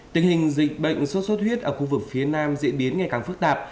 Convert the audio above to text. tình hình dịch bệnh sốt sốt huyết ở khu vực phía nam diễn biến ngày càng phức tạp